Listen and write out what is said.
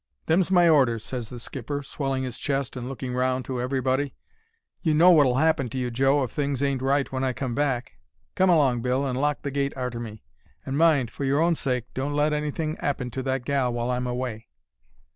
"'Them's my orders,' ses the skipper, swelling his chest and looking round, 'to everybody. You know wot'll 'appen to you, Joe, if things ain't right when I come back. Come along, Bill, and lock the gate arter me. An' mind, for your own sake, don't let anything 'appen to that gal while I'm away.'